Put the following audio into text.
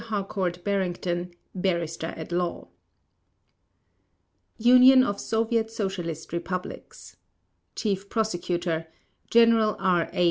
Harcourt Barrington, Barrister at Law Union of Soviet Socialist Republics CHIEF PROSECUTOR: General R. A.